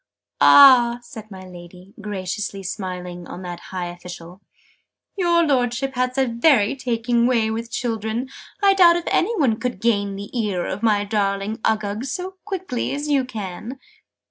"Ah!" said my Lady, graciously smiling on that high official. "Your Lordship has a very taking way with children! I doubt if any one could gain the ear of my darling Uggug so quickly as you can!"